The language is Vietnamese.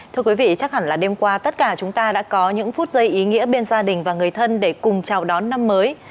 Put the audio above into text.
thưa quý vị chắc hẳn là đêm qua tất cả chúng ta đã có những phút giây ý nghĩa bên gia đình và người thân để cùng chào đón năm mới